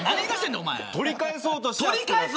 取り返そうとして。